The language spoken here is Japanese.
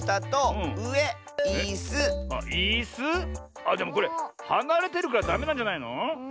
あっでもこれはなれてるからダメなんじゃないの？